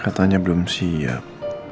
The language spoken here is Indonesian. katanya belum siap